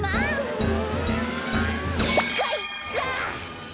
うかいか！